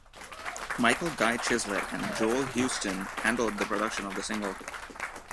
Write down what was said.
Michael Guy Chislett and Joel Houston handled the production of the single.